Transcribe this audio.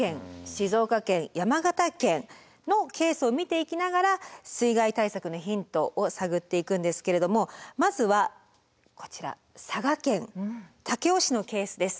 静岡県山形県のケースを見ていきながら水害対策のヒントを探っていくんですけれどもまずはこちら佐賀県武雄市のケースです。